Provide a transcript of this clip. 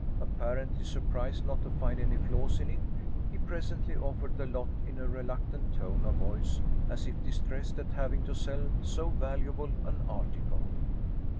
Apparently surprised not to find any flaws in it, he presently offered the lot in a reluctant tone of voice, as if distressed at having to sell so valuable an article.